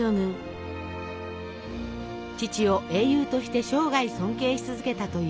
父を英雄として生涯尊敬し続けたというデュマ。